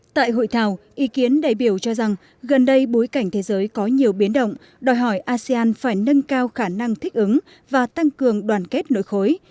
tại hội thảo ý kiến đại biểu cho rằng gần đây bối cảnh thế giới có nhiều biến động đòi hỏi asean phải nâng cao khả năng thích ứng và tăng cường đoàn kết nội khối